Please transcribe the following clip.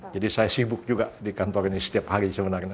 saya sibuk juga di kantor ini setiap hari sebenarnya